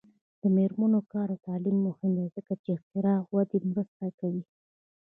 د میرمنو کار او تعلیم مهم دی ځکه چې اختراع ودې مرسته کوي.